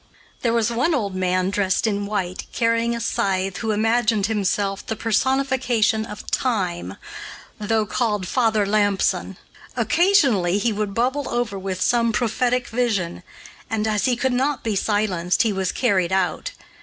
There was one old man dressed in white, carrying a scythe, who imagined himself the personification of "Time," though called "Father Lampson." Occasionally he would bubble over with some prophetic vision, and, as he could not be silenced, he was carried out.